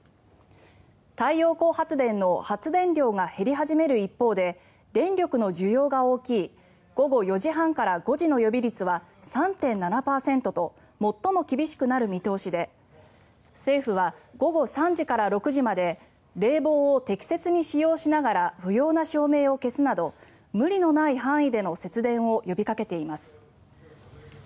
太陽光発電の発電量が減り始める一方で電力の需要が大きい午後４時半から５時の予備率は３．７％と最も厳しくなる見通しで政府は、午後３時から６時まで冷房を適切に使用しながら不要な照明を消すなど無理のない範囲での節電を呼びかけています。